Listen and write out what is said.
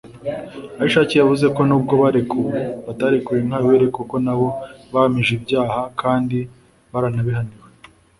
Ahishakiye yavuze ko n’ubwo barekuwe batarekuwe nk’abere kuko nabo bahamijwe ibyaha kandi baranabihanirwa